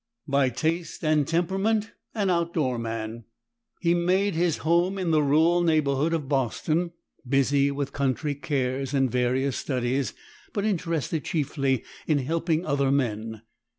By taste and temperament an out door man, he made his home in the rural neighborhood of Boston, busy with country cares and various studies, but interested chiefly in helping other men.